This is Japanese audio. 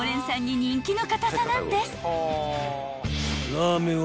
［ラーメンを］